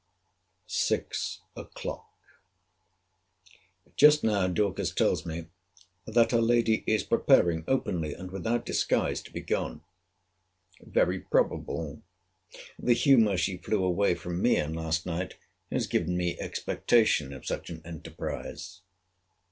SIX O'CLOCK. Just now Dorcas tells me, that her lady is preparing openly, and without disguise, to be gone. Very probable. The humour she flew away from me in last night has given me expectation of such an enterprize.